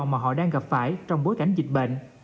mà họ đang gặp phải trong bối cảnh dịch bệnh